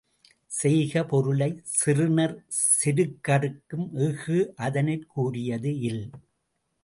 செய்க பொருளைச் செறுநர் செருக்கறுக்கும் எஃகு அதனிற் கூரியது இல்.